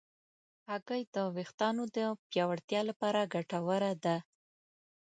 هګۍ د ویښتانو د پیاوړتیا لپاره ګټوره ده.